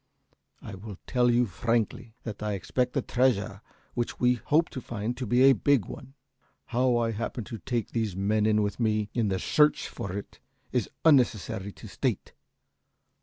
I will tell you frankly, that I expect the treasure which we hope to find to be a big one. How I happened to take these men in with me, in the search for it, is unnecessary to state.